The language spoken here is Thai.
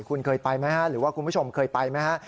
คุณเคยไปไหมฮะหรือว่าคุณผู้ชมเคยไปไหมฮะ